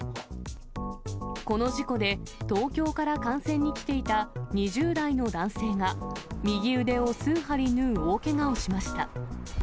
この事故で、東京から観戦に来ていた２０代の男性が、右腕を数針縫う大けがをしました。